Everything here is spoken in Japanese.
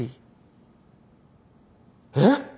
えっ！